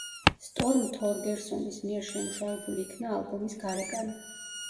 სტორმ თორგერსონის მიერ შემუშავებული იქნა ალბომის გარეკანი.